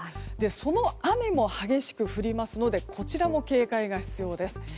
その雨も激しく降りますのでこちらも警戒が必要です。